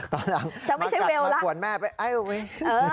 ตอนหลังมากวนแม่ไปไอ้เวล